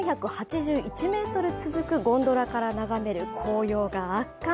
５４８１ｍ続くゴンドラから眺める紅葉が圧巻。